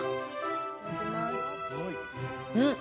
いただきます。